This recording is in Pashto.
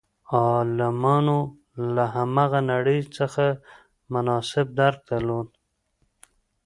عالمانو له هماغه نړۍ څخه مناسب درک درلود.